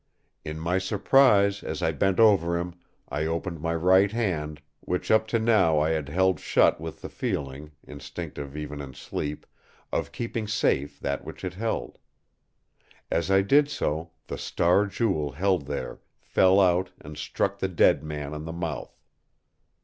"In my surprise, as I bent over him, I opened my right hand, which up to now I had held shut with the feeling, instinctive even in sleep, of keeping safe that which it held. As I did so, the Star Jewel held there fell out and struck the dead man on the mouth.